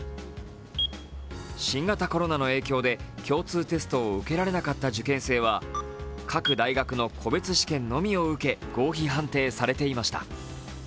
新型コロナの影響で共通テストを受けられなかった受験生は各大学の個別試験のみを受け合否判定されていました。